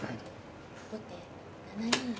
後手７二玉。